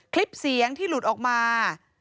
คลิปเสียงที่หลุดออกมา